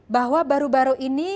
bahwa baru baru ini